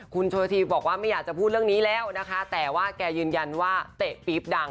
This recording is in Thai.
คุณโชธีบอกว่าไม่อยากจะพูดเรื่องนี้แล้วนะคะแต่ว่าแกยืนยันว่าเตะปี๊บดัง